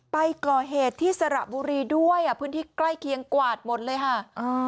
ไปก่อเหตุที่สระบุรีด้วยอ่ะพื้นที่ใกล้เคียงกวาดหมดเลยค่ะอ่า